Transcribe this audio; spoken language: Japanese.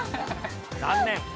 残念。